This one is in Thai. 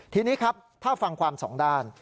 ทีนี้ครับถ้าฟังความสองด้าน